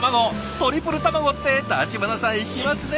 トリプル卵って橘さんいきますね！